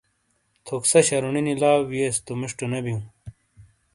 تھوکسہ شَرُونِینی لاؤ وِئیس تو مِشٹو نے بِیوں۔